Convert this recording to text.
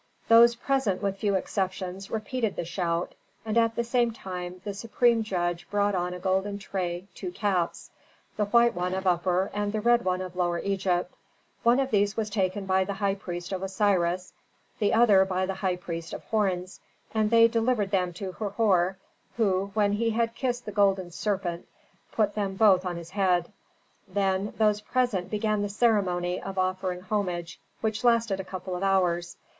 Those present, with few exceptions, repeated the shout, and at the same time the supreme judge brought on a golden tray two caps: the white one of Upper, and the red one of Lower Egypt. One of these was taken by the high priest of Osiris, the other by the high priest of Horns, and they delivered them to Herhor, who, when he had kissed the golden serpent, put them both on his head. Then those present began the ceremony of offering homage, which lasted a couple of hours.